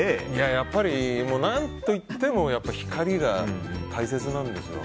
やっぱり何といっても光が大切なんですよ。